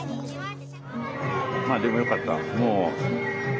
まあでもよかった。